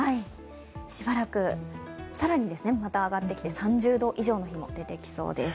しばらく、更にまた上がってきて３０度以上の日も出てきそうです。